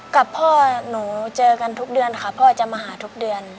กับพ่อหนูเจอกันทุกเดือนค่ะพ่อจะมาหาทุกเดือน